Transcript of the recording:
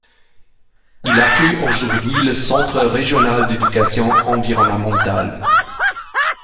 Il accueille aujourd'hui, le Centre régional d'éducation environnementale.